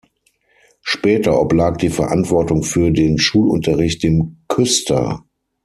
Später oblag die Verantwortung für den Schulunterricht dem Küster.